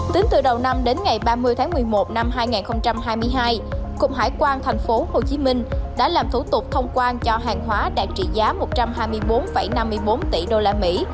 tính từ đầu năm đến ngày ba mươi tháng một mươi một năm hai nghìn hai mươi hai cục hải quan tp hcm đã làm thủ tục thông qua cho hàng hóa đạt trị giá một trăm hai mươi bốn năm mươi bốn tỷ đô la mỹ